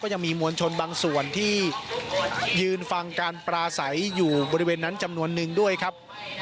ยังมีมวลชนบางส่วนที่ยืนฟังการปลาใสอยู่บริเวณนั้นจำนวนนึงด้วยครับ